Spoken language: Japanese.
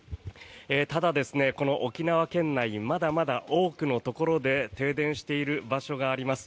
ただ、この沖縄県内まだまだ多くのところで停電している場所があります。